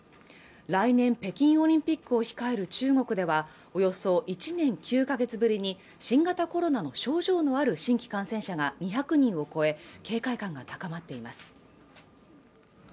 来年北京オリンピックを控える中国ではおよそ１年９か月ぶりに新型コロナの症状のある新規感染者が２００人を超え警戒感が高まっています